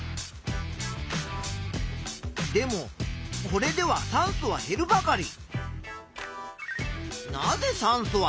でもこれでは酸素は減るばかり。